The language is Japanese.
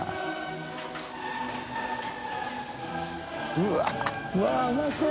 うわっうまそう！